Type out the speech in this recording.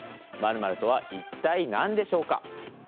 ○○とは一体何でしょうか。